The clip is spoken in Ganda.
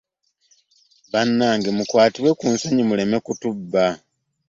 Banange mukwatibwe ku nsonyi muleme kutubba.